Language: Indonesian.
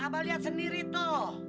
abang lihat sendiri tuh